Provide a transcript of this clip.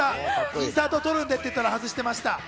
インサートを撮るんでって言ったら、外してました。